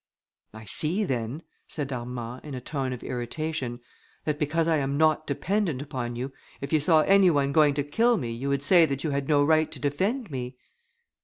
"I see, then," said Armand, in a tone of irritation, "that because I am not dependent upon you, if you saw any one going to kill me, you would say that you had no right to defend me."